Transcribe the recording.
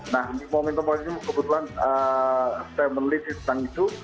nah momentum politik ini kebetulan family tentang itu